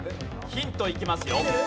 ヒントいきますよ。